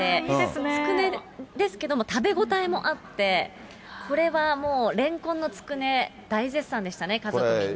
つくねですけども、食べ応えもあって、これはもうレンコンのつくね、大絶賛でしたね、家族みんな。